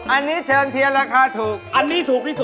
อันนี้เชิงเทียนราคาถูกอันนี้ถูกที่สุด